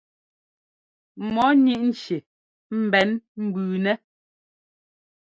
Mɔɔ ŋíʼ nci mbɛ̌n mbʉʉnɛ́.